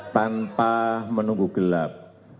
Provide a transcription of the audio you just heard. tanpa menunggu gelap